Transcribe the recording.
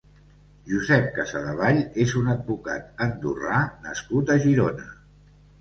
Josep Casadevall és un advocat andorrà nascut a Girona.